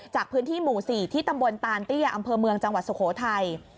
จากพื้นที่หมู่๔ที่ตำบลตานเตี้ยอำเภอเมืองจังหวัดสุโขทัย